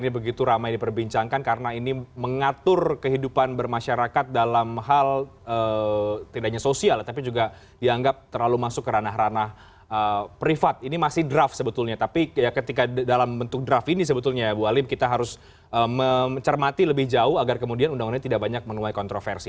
bu alim kita harus mencermati lebih jauh agar kemudian undang undang ini tidak banyak menulai kontroversi